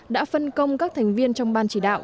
đã phân công các thành viên trong ban chỉ đạo